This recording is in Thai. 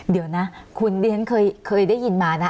เดี๋ยวนะคุณดิฉันเคยได้ยินมานะ